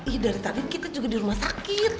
ih dari tadi kita juga di rumah sakit